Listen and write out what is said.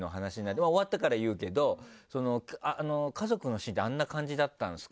終わったから言うけど「家族のシーンってあんな感じだったんですか？」